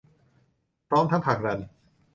พร้อมทั้งผลักดัน